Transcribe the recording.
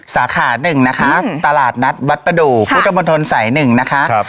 สาขาหนึ่งนะคะอืมตลาดนัดวัดประดูกค่ะพุทธมนตรสายหนึ่งนะคะครับ